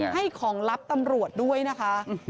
ให้ของลับตำรวจด้วยนะคะ